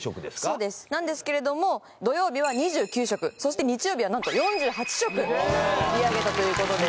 そうですなんですけれどもそして日曜日は何と４８食売り上げたということです